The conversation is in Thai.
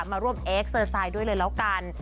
มาร่วมเอ็กเซอร์ไซด์ด้วยเลยแล้วกัน